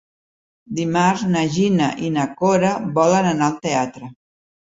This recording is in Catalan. Dimarts na Gina i na Cora volen anar al teatre.